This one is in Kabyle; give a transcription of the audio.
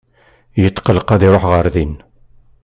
Yetqelleq ad iruḥ ɣer din.